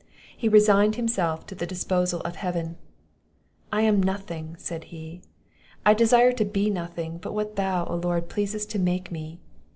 He resigned himself to the disposal of Heaven: "I am nothing," said he, "I desire to be nothing but what thou, O Lord, pleasest to make me.